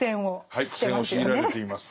はい苦戦を強いられています。